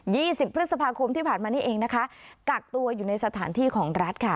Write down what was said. สิบพฤษภาคมที่ผ่านมานี่เองนะคะกักตัวอยู่ในสถานที่ของรัฐค่ะ